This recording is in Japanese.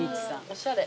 おしゃれ。